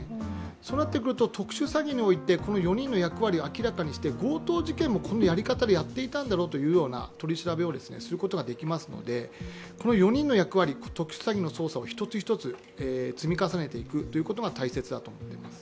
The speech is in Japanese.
そうなってくると、特殊詐欺において、この４人の役割を明らかにして強盗事件もこのやり方でやっていたんだろうというような取り調べをすることができますので、この４人の役割、特殊詐欺の捜査を一つ一つ積み重ねていくことが大切だと思っています。